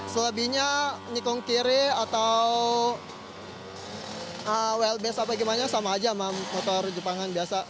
selebihnya nikong kiri atau well best apa gimana sama aja sama motor jepangan biasa